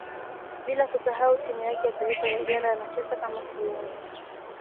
Bila kusahau timu yake ya taifa ya Uganda anacheza kama kiungo